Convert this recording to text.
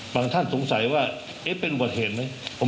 ท่านสงสัยว่าเป็นอุบัติเหตุไหม